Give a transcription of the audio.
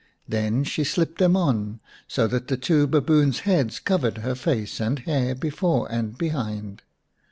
Then she slipped them on so that the two baboons' heads covered her face and hair before and behind.